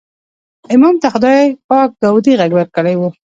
امام ته خدای پاک داودي غږ ورکړی و.